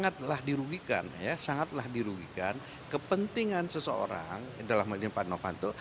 karena sangatlah dirugikan kepentingan seseorang dalam melihat novanto